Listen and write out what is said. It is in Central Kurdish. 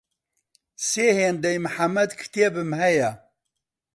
سێ هێندەی محەمەد کتێبم هەیە.